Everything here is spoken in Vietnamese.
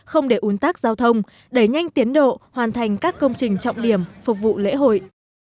không để un tắc giao thông đẩy nhanh tiến độ hoàn thành các công trình trọng điểm phục vụ lễ hội